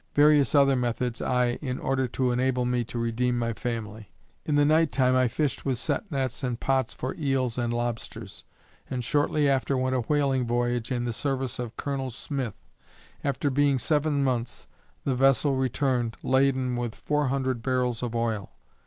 Various other methods I in order to enable me to redeem my family. In the night time I fished with set nets and pots for eels and lobsters, and shortly after went a whaling voyage in the service of Col. Smith. After being seven months, the vessel returned, laden with four hundred barrels of oil.